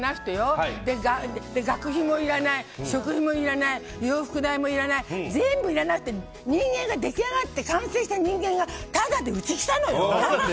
学費もいらない、食費もいらない洋服代もいらない全部いらなくて人間が出来上がって完成した人間がすごい考え方。